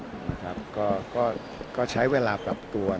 ความคิดเห็นในมุมมองก็ใช้เวลากลับตัว